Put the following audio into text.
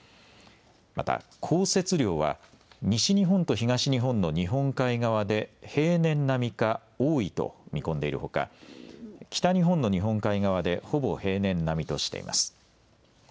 また降雪量は西日本と東日本の日本海側で平年並みか多いと見込んでいるほか、北日本の日本海側でほぼ平年並みとしています。